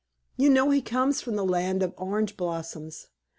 You know he comes from the land of orange blossoms.